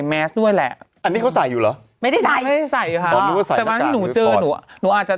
ไอ้แม้ด้วยแหละอันนี้เขาใส่อยู่รอไม่ได้ใส่ไม่ใส่ไม่อาจ